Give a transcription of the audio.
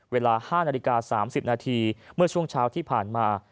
เวลา๕นาฬิกา๓๐นาทีเมื่อช่วงเช้าที่ผ่านมา